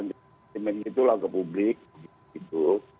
dimainkan itulah ke publik gitu